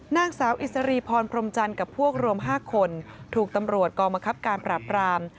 นางสาวอิสรีพรพรมจันทร์กับพวกรวม๕คนถูกตำรวจกองบังคับการปราบราม